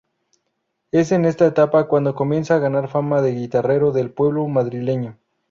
Es en esta etapa, cuando empieza a ganar fama de guitarrero del pueblo madrileño.